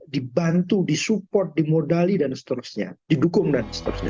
dibantu disupport dimodali dan seterusnya didukung dan seterusnya